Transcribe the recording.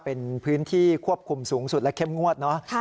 เป็นพื้นที่ควบคุมสูงสุดและเข้มงวดเนอะ